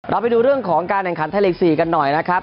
เราไปดูเรื่องของการแห่งขันไทยเลยที่สี่กันหน่อยนะครับ